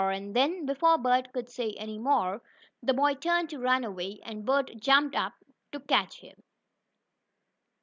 And then, before Bert could say any more, the boy turned to run away, and Bert jumped up to catch him.